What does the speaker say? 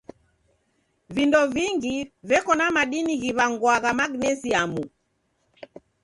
Vindo vingi veko na madini ghiw'angwagha magnesiamu.